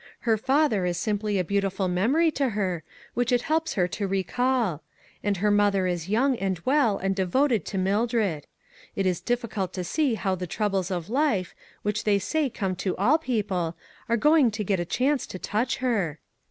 Her father is simply a beauti ful memory to her, which it helps her to recall. And her mother is young, and well, and devoted to Mildred. It is difficult to see how the troubles of life, which they say come to all people, are going to get a 38O ONE COMMONPLACE DAY. chance to touch her."